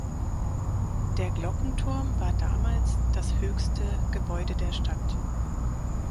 Der Glockenturm war damals das höchste Gebäude der Stadt.